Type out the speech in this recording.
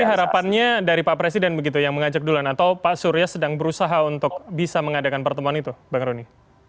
tapi harapannya dari pak presiden begitu yang mengajak duluan atau pak surya sedang berusaha untuk bisa mengadakan pertemuan itu bang roni